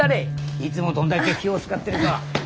いつもどんだけ気を遣ってるか。